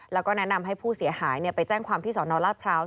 แล้วก็แนะนำให้ผู้เสียหายไปแจ้งความที่สนราชพร้าว